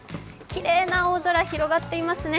きれいな青空が広がっていますね。